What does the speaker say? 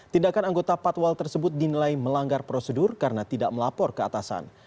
tindakan anggota patual tersebut dinilai melanggar prosedur karena tidak melapor keatasan